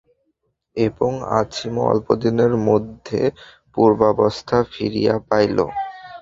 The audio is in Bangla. এবং অছিমও অল্পদিনের মধ্যে পূর্বাবস্থা ফিরিয়া পাইল।